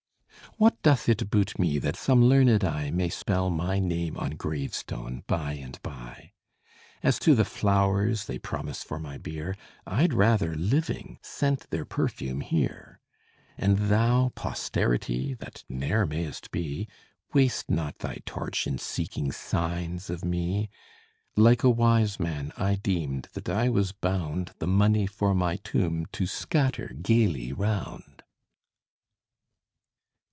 What doth it boot me, that some learned eye May spell my name on gravestone, by and by? As to the flowers they promise for my bier, I'd rather, living, scent their perfume here. And thou, posterity! that ne'er mayst be Waste not thy torch in seeking signs of me! Like a wise man, I deemed that I was bound The money for my tomb to scatter gayly round!